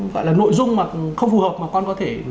gọi là nội dung mà không phù hợp mà con có thể